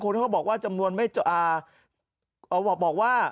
และบางคนเขาบอกว่า